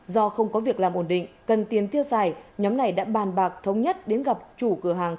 do không có việc làm ổn định cần tiền tiêu xài nhóm này đã bàn bạc thống nhất đến gặp chủ cửa hàng